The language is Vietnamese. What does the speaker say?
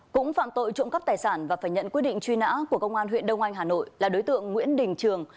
cũng phạm tội trộm cắp tài sản và phải nhận quyết định truy nã của công an huyện đông anh hà nội là đối tượng nguyễn đình trường